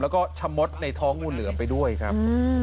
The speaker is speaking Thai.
แล้วก็ชะมดในท้องงูเหลือมไปด้วยครับ